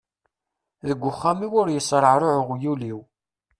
Deg uxxam-iw ur yesreɛruɛ uɣyul-iw!